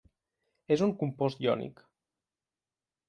És un compost iònic.